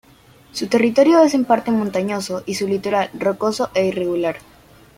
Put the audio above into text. Su territorio es en parte montañoso y su litoral rocoso e irregular.